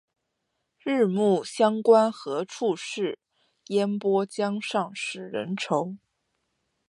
日暮乡关何处是？烟波江上使人愁。